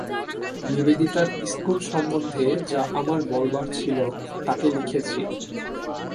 নিবেদিতার school সম্বন্ধে যা আমার বলবার ছিল, তাকে লিখেছি।